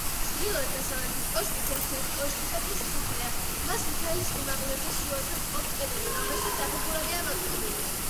ჩრდილოეთ-დასავლეთის კოშკი ფუნქციით კოშკისებრი სასახლეა, მას მთელ სიმაღლეზე შუაზე ჰყოფს კედელი, რომელშიც საფეხურებია მოწყობილი.